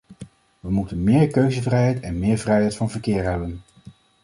We moeten meer keuzevrijheid en meer vrijheid van verkeer hebben.